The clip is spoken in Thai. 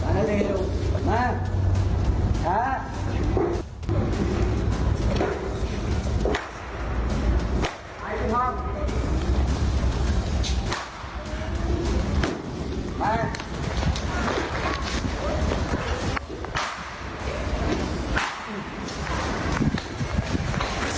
พ่อการใจแทบดีกับจนตัวเอง